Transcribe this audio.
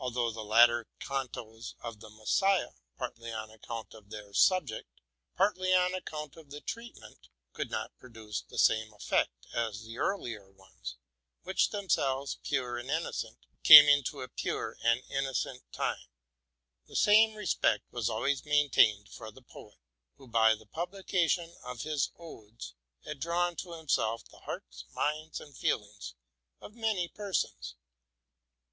Al though the latter cantos of '* The Messiah,'' partly on account of their subject, partly on account of the treatment, could not produce the same effect as the earlier ones, which, themselves pure and innocent, came into a pure and innocent time, the same respect was always maintained for the poet, who, by the publication of his odes, had drawn to himself the hearts, minds, and feelings of many persons.